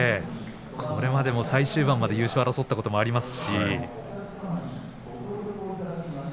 これまでも最終盤まで優勝を争ったこともあります。